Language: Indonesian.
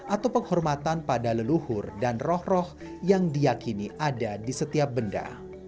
atau penghormatan pada leluhur dan roh roh yang diakini ada di setiap benda